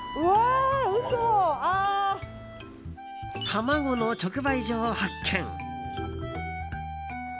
卵の直売所を発見！